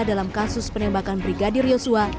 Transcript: dalam kasus penembakan brigadir yosua